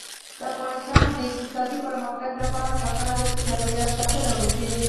د افغانستان د اقتصادي پرمختګ لپاره پکار ده چې چاپیریال ساتنه وشي.